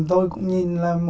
tôi cũng nhìn là